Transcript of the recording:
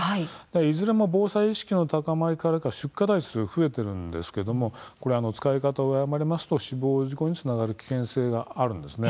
いずれも防災意識の高まりからか出荷台数が増えているんですけれども、使い方を誤りますと死亡事故につながる危険性があります。